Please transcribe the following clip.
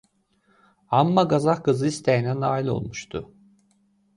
Amma qazax qızı istəyinə nail olmuşdu.